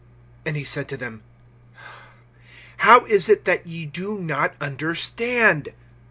(21)And he said to them: How is it that ye do not understand?